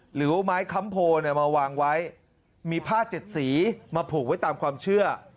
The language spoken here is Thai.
หรือว่าไม้ค้ำโพมาวางไว้มีผ้าเจ็ดสีมาผูกไว้ตามความเชื่อ